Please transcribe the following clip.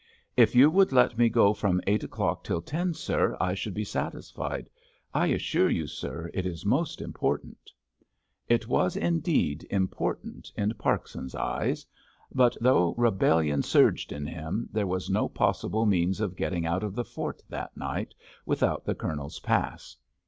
"If you would let me go from eight o'clock till ten, sir, I should be satisfied. I assure you, sir, it is most important." It was indeed important in Parkson's eyes. But though rebellion surged in him there was no possible means of getting out of the fort that night without the Colonel's pass.